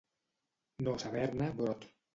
No saber-ne brot.